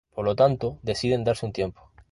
Por lo tanto, deciden darse un tiempo.